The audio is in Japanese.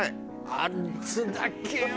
「あいつだけは」。